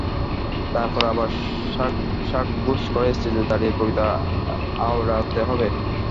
তার পরে আবার সাগগোজ করে স্টেজে দাঁড়িয়ে কবিতা আওড়াতে হবে।